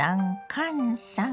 カンさん。